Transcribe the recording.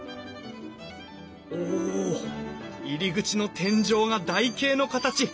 おお入り口の天井が台形の形。